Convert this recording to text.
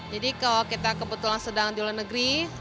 jadi kalau kita kebetulan sedang di luar negeri